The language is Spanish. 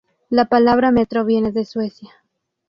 La palabra Metro viene de Suecia.